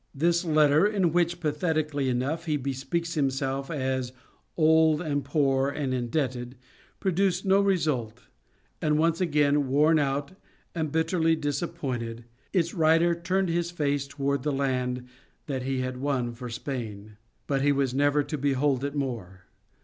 This letter in which pathetically enough, he speaks of himself as "old and poor and indebted," produced no result and once again, worn out and bitterly disappointed, its writer turned his face toward the land that he had won for Spain. But he was never to behold it more.